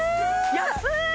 安い！